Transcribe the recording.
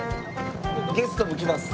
ゲストも来ます。